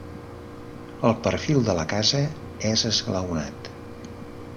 El perfil de la casa és esglaonat.